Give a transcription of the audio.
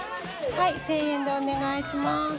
はい１，０００円でお願いします。